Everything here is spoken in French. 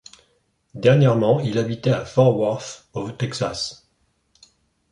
Dernièrement, il habitait à Fort Worth au Texas.